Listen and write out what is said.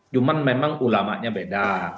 cuma memang ulamanya beda